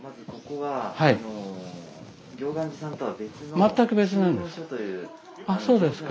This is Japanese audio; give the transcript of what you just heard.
全く別なんですか。